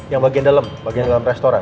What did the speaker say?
yang ini yang di dalam bagian dalam restoran